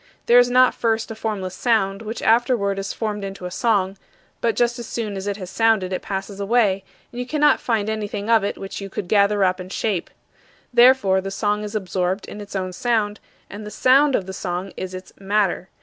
There is not first a formless sound, which afterward is formed into a song; but just as soon as it has sounded it passes away, and you cannot find anything of it which you could gather up and shape. Therefore, the song is absorbed in its own sound and the "sound" of the song is its "matter."